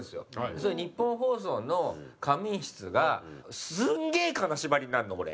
それニッポン放送の仮眠室がすんげえ金縛りになるの俺。